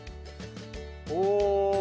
お！